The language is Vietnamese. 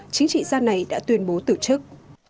chính trị gia này đã tuyên bố tử chức